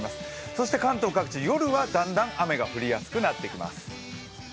そして関東各地、夜はだんだん雨が降りやすくなってきます。